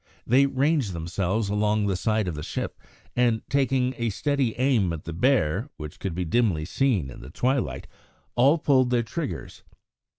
They ranged themselves along the side of the ship, and taking a steady aim at the bear, which could be dimly seen in the twilight, all pulled their triggers.